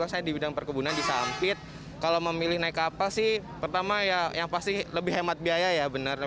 saya di bidang perkebunan disampit kalau memilih naik kapal sih pertama ya yang pasti lebih hemat biaya ya benar